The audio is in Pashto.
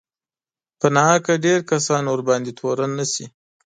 په ناحقه ډېر کسان ورباندې تورن نه شي